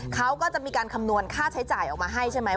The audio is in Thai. เขาก็จะมีการคำนวณค่าใช้จ่ายออกมาให้ใช่ไหม